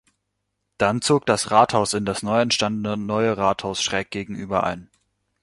Dann zog das Rathaus in das neu entstandene Neue Rathaus schräg gegenüber ein.